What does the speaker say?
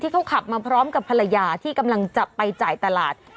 เขาขับมาพร้อมกับภรรยาที่กำลังจะไปจ่ายตลาด